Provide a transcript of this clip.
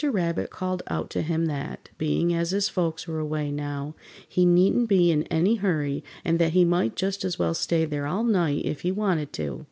Rabbit called out to him that, being as his folks were away now, he needn't be in any hurry, and that he might just as well stay there all night if he wanted to.